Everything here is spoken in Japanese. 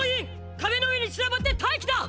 壁の上に散らばって待機だ！！